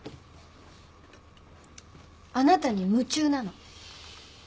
あなたに夢中なの。